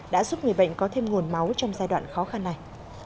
đã giúp người bệnh có thêm nguồn máu trong giai đoạn khó khăn này